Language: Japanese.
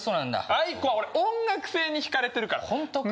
ａｉｋｏは俺音楽性にひかれてるから本当か？